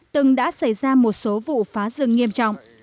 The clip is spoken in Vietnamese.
từng đã xảy ra một số vụ phá rừng nghiêm trọng